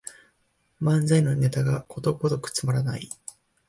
漫才のネタがことごとくつまらない